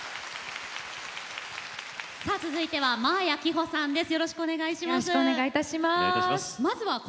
続いては真彩希帆さんです。